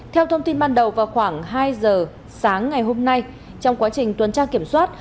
theo thông tin ban đầu vào khoảng hai giờ sáng ngày hôm nay trong quá trình tuần tra kiểm soát